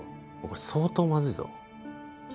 これ相当まずいぞ